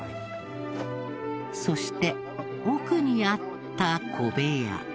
そして、奥にあった小部屋